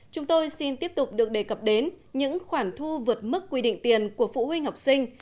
chúng tôi xin tiếp tục được đề cập đến những khoản thu vượt mức quy định tiền của phụ huynh học sinh